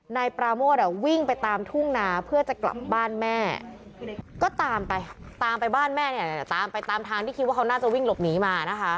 นายปราโมทวิ่งไปตามทุ่งนาเพื่อจะกลับบ้านแม่ก็ตามไปตามไปบ้านแม่เนี่ยตามไปตามทางที่คิดว่าเขาน่าจะวิ่งหลบหนีมานะคะ